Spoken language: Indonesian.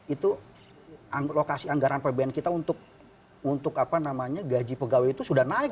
itu alokasi anggaran pbn kita untuk gaji pegawai itu sudah naik